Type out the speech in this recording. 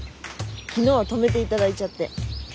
昨日は泊めていただいちゃって。